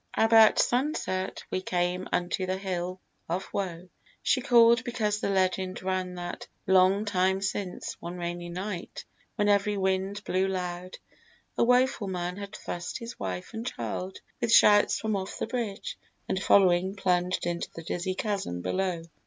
About sunset We came unto the hill of woe, so call'd Because the legend ran that, long time since, One rainy night, when every wind blew loud, A woful man had thrust his wife and child With shouts from off the bridge, and following, plunged Into the dizzy chasm below.